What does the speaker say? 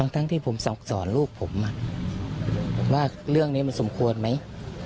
ทั้งที่ผมสั่งสอนลูกผมว่าเรื่องนี้มันสมควรไหม